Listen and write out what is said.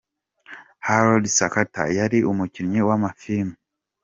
Harold Sakata, yari umukinnyi w’Amafilimi.